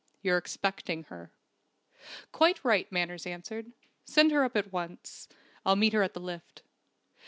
You're expecting her." "Quite right," Manners answered. "Send her up at once. I'll meet her at the lift."